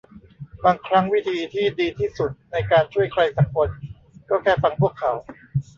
บางครั้งวิธีที่ดีที่สุดในการช่วยใครซักคนก็แค่ฟังพวกเขา